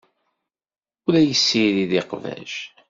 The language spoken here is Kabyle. Ur la yessirid iqbac.